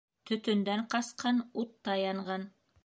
Төтөндән ҡасҡан утта янған.